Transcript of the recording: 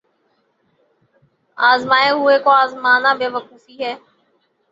آزمائے ہوئے کو آزمانا بے وقوفی ہے۔